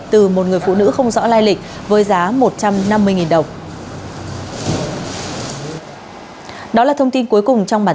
từ một người phụ nữ không rõ lai lịch với giá một trăm năm mươi đồng